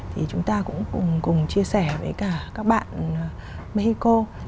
thì chúng ta cũng cùng chia sẻ với cả các bạn mexico